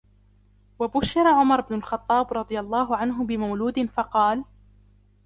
وَبُشِّرَ عُمَرُ بْنُ الْخَطَّابِ رَضِيَ اللَّهُ عَنْهُ بِمَوْلُودٍ فَقَالَ